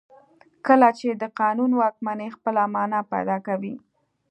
کله چې د قانون واکمني خپله معنا پیدا کوي.